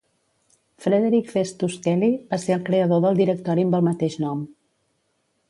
Frederic Festus Kelly va ser el creador del directori amb el mateix nom.